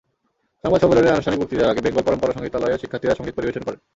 সংবাদ সম্মেলনের আনুষ্ঠানিক বক্তৃতার আগে বেঙ্গল পরম্পরা সংগীতালয়ের শিক্ষার্থীরা সংগীত পরিবেশন করেন।